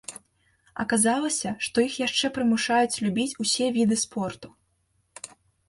Аказалася, што іх яшчэ прымушаюць любіць усе віды спорту.